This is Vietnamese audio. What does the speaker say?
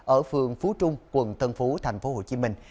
ở phường phú trung quận tân phú tp hcm